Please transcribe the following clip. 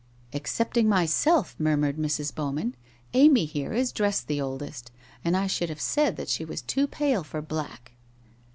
* Excepting myself,' murmured Mrs. Bowman. * Amy here is dressed the oldest. And I should have said that she was too pale for black.'